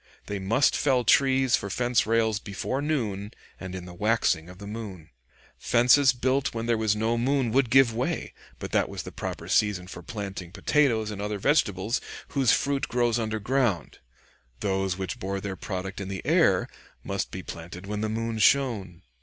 They must fell trees for fence rails before noon, and in the waxing of the moon. Fences built when there was no moon would give way; but that was the proper season for planting potatoes and other vegetables whose fruit grows underground; those which bore their product in the air must be planted when the moon shone.